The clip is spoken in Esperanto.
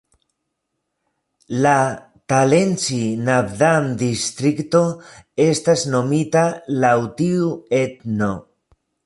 La Talensi-Nabdam-Distrikto estas nomita laŭ tiu etno.